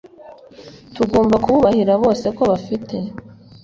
tugomba kububahira bose ko bafite